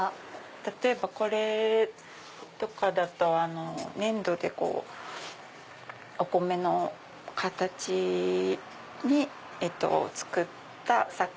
例えばこれとかだと粘土でお米の形に作った作品。